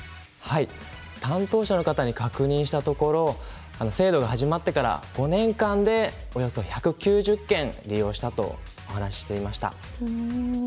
担当者の方に確認したところ制度が始まってから５年間で、およそ１９０件利用したとお話していました。